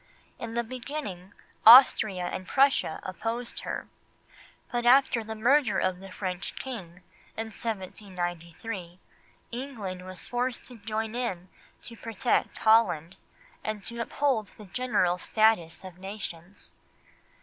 In the beginning Austria and Prussia opposed her, but after the murder of the French King, in January 1793, England was forced to join in to protect Holland, and to uphold the general status of nations.